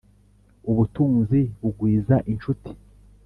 ubutunzi bugwiza incuti,